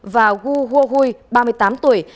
và gu huo hui ba mươi tám tuổi